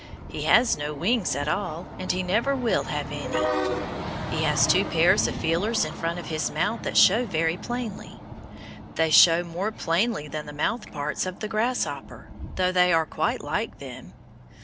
He has no wings at all, and he never will have any. He has two pairs of feelers in front of his mouth that show very plainly. They show more plainly than the mouth parts of the grasshopper, though they are quite like them.